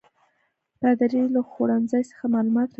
پادري له خوړنځای څخه معلومات راوړي ول.